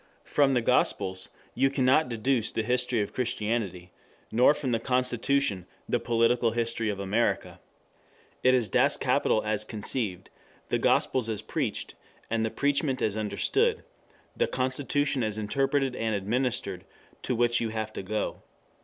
From the gospels you cannot deduce the history of Christianity, nor from the Constitution the political history of America. It is Das Kapital as conceived, the gospels as preached and the preachment as understood, the Constitution as interpreted and administered, to which you have to go.